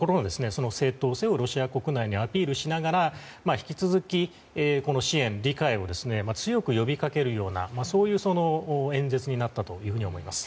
その正当性をロシア国内にアピールしながら引き続き、支援や理解を強く呼びかけるようなそういう演説になったと思います。